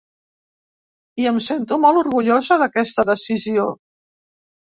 I em sento molt orgullosa d’aquesta decisió.